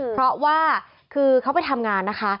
เพราะว่าคือเขาไปทำงานนะคะ